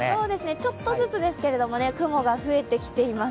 ちょっとずつですけども、雲が増えてきています。